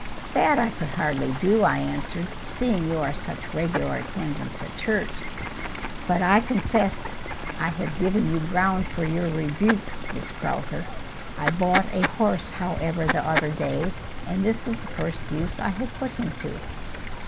"That I could hardly do," I answered, "seeing you are such regular attendants at church. But I confess I have given you ground for your rebuke, Miss Crowther. I bought a horse, however, the other day, and this is the first use I have put him to."